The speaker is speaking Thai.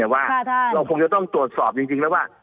แต่ว่าเราคงจะต้องตรวจสอบจริงแล้วว่า